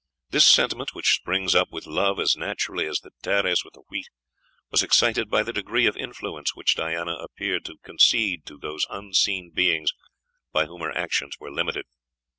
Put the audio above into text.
This sentiment, which springs up with love as naturally as the tares with the wheat, was excited by the degree of influence which Diana appeared to concede to those unseen beings by whom her actions were limited.